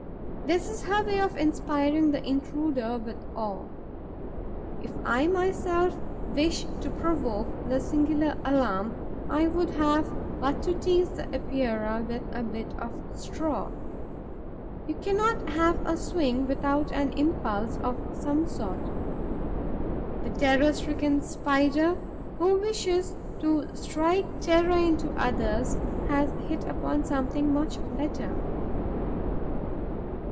This is her way of inspiring the intruder with awe. If I myself wish to provoke the singular alarm, I have but to tease the Epeira with a bit of straw. You cannot have a swing without an impulse of some sort. The terror stricken Spider, who wishes to strike terror into others, has hit upon something much better.